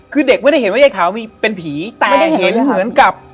คือเด็กไม่ได้เห็นว่ายายขาวมีเป็นผีแต่ไม่ได้เห็นเหมือนกับ